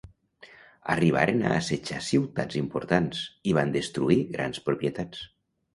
Arribaren a assetjar ciutats importants, i van destruir grans propietats.